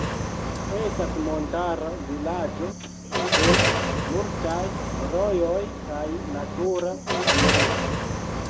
Estas montara vilaĝo kun multaj rojoj kaj natura banejo.